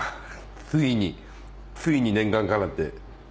ついについに念願かなって。